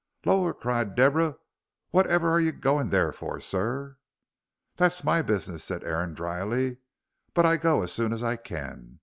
"Lor'!" cried Deborah, "whatever are you a goin' there for, sir?" "That's my business," said Aaron, dryly, "but I go as soon as I can.